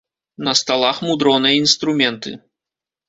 На сталах мудроныя інструменты.